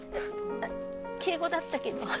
敬語だったけど。